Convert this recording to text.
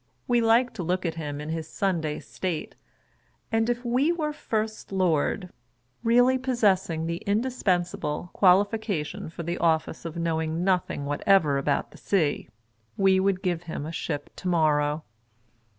We like to look at him in 4.3G HOUSEHOLD WORDS. [Conducted by his Sunday state ; and if we were First Lord (really possessing the indispensable qualifi cation for the office of knowing nothing whatever about the sea), we would give him a ship to morrow.